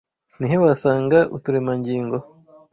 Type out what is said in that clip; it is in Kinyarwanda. Ni he wasanga uturemangingo =